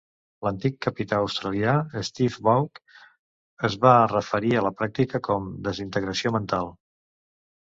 L'antic capità australià Steve Waugh es va referir a la pràctica com "desintegració mental".